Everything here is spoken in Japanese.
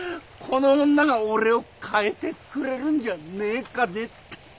この女が俺を変えてくれるんじゃねえかねって。